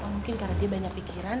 mungkin karena dia banyak pikiran